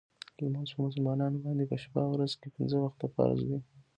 لمونځ په مسلمانانو باندې په شپه او ورځ کې پنځه وخته فرض دی .